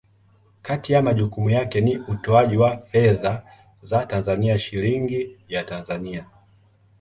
Kati ya majukumu yake ni utoaji wa fedha za Tanzania, Shilingi ya Tanzania.